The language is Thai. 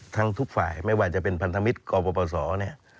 ทั้งทุกฝ่ายไม่ว่าจะเป็นพันธมิตรกรปศเนี่ย